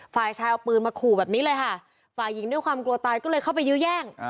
ฝ่ายชายเอาปืนมาขู่แบบนี้เลยค่ะฝ่ายหญิงด้วยความกลัวตายก็เลยเข้าไปยื้อแย่ง